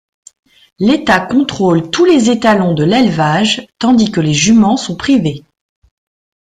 L'État contrôle tous les étalons de l'élevage, tandis que les juments sont privées.